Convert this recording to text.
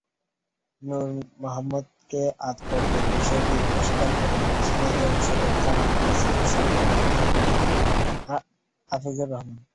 নুর মোহাম্মদকে আটকের বিষয়টি অস্বীকার করেন ঝিনাইদহ সদর থানার ওসি হাসান হাফিজুর রহমান।